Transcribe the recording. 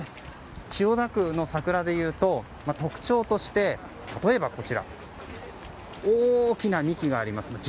千代田区の桜で言うと、特徴として例えば、大きな幹があります。